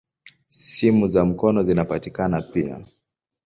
Simu za mkono zinapatikana pia.